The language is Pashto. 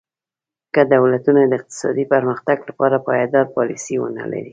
که دولتونه د اقتصادي پرمختګ لپاره پایداره پالیسي ونه لري.